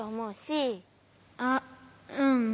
あっうん。